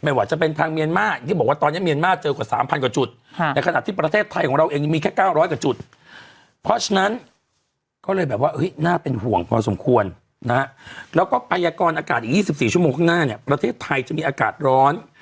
แล้วก็ปัญญากรอากาศอีก๒๔ชั่วโมงข้างหน้าประเทศไทยจะมีอากาศร้อน